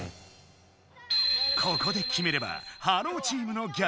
ここできめれば「ｈｅｌｌｏ，」チームの逆転。